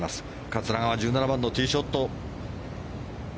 桂川、１７番のティーショット。